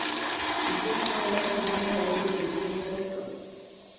ইতিহাস নিয়ে লেখার জন্য এগুলি গুরুত্বপূর্ণ উৎস।